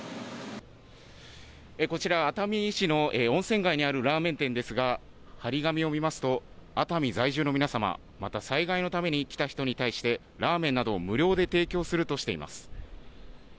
こちら熱海市の温泉街にあるラーメン店ですが貼り紙を見ますと熱海在住の皆様また、災害のために来た人に対してラーメンなどを無料で提供するとしています。